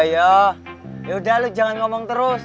ya yaudah lu jangan ngomong terus